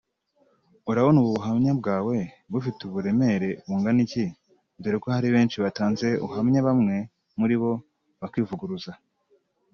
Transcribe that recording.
urabona ubu buhamya bwawe bufite uburemere bungana iki dore ko hari benshi batanze ubuhamya bamwe muri bo bakivuguruza